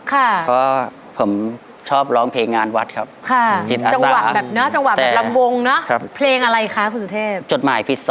เพราะผมชอบร้องเพลงงานวัด